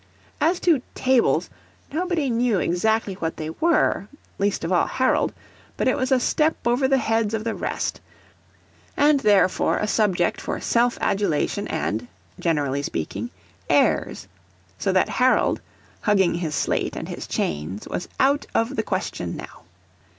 As to "tables," nobody knew exactly what they were, least of all Harold; but it was a step over the heads of the rest, and therefore a subject for self adulation and generally speaking airs; so that Harold, hugging his slate and his chains, was out of the question now.